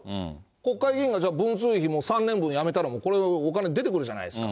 国会議員が文通費、もう３年分やめたら、これ、お金出てくるじゃないですか。